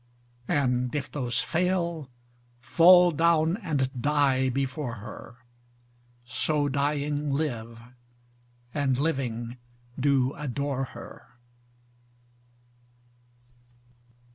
And if those fail, fall down and die before her, So dying live, and living do adore her.